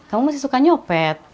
kamu masih suka nyopet